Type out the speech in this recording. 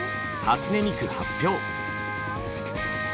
「初音ミク」発表。